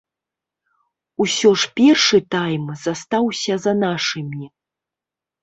Усё ж першы тайм застаўся за нашымі.